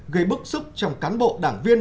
gây bức xúc trong cán bộ đảng viên